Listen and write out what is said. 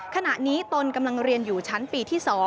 ขณะนี้ตนกำลังเรียนอยู่ชั้นปีที่๒